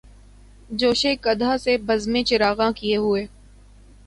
جوشِ قدح سے بزمِ چراغاں کئے ہوئے